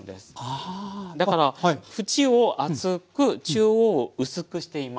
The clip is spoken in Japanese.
だから縁を厚く中央を薄くしています。